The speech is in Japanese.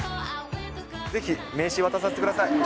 ぜひ名刺渡させてください。